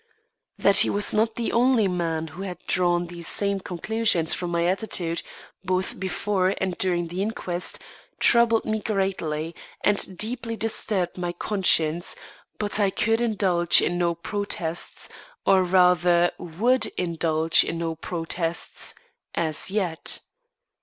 That he was not the only man who had drawn these same conclusions from my attitude both before and during the inquest, troubled me greatly and deeply disturbed my conscience, but I could indulge in no protests or, rather would indulge in no protests as yet.